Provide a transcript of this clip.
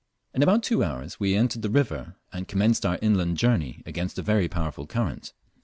In about two hours we entered the river, and commenced our inland journey against a very powerful current.